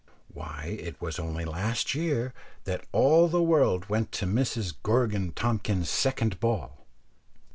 Why, it was only last year that all the world went to Mrs Gorgon Tompkins's second ball.